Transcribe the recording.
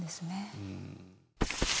うん。